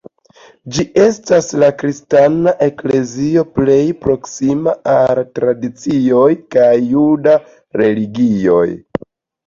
Ĝi estas la kristana eklezio plej proksima al la tradicioj kaj juda religioj.